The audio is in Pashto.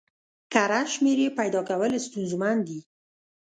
کره شمېرې پیدا کول ستونزمن دي.